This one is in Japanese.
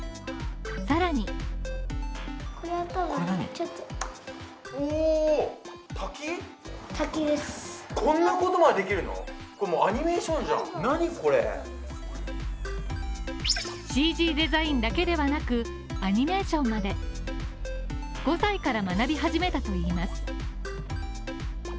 さらにＣＧデザインだけではなく、アニメーションなどで５歳から学び始めたといいます。